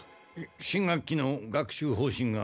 新学期の学習方針が何か？